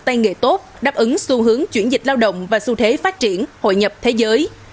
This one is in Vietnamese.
tay nghề tốt đáp ứng xu hướng chuyển dịch lao động và xu thế phát triển hội nhập thế giới